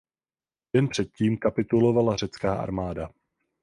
Den před tím kapitulovala řecká armáda.